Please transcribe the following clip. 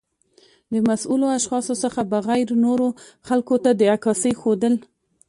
د مسؤلو اشخاصو څخه بغیر و نورو خلګو ته د عکاسۍ ښودل